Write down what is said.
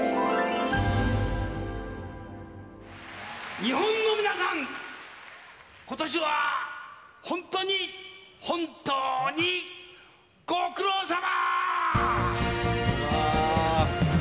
日本の皆さん今年は本当に本当にご苦労さま！